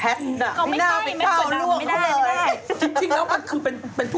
เอาม่อน